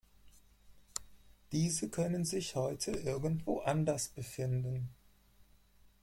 Diese können sich heute irgendwo anders befinden.